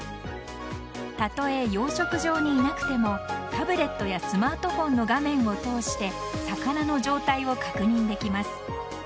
たとえ養殖場にいなくてもタブレットやスマートフォンの画面を通して魚の状態を確認できます。